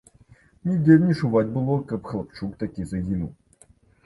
Нідзе не чуваць было, каб хлапчук такі загінуў.